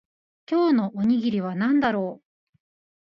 今日のおにぎりは何だろう